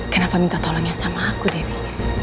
kenapa minta tolongnya sama aku debinya